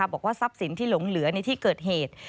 บอกว่าทรัพย์สินที่หลงเหลือในที่เกิดเหตุ